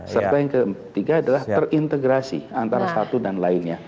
serta yang ketiga adalah terintegrasi antara satu dan lainnya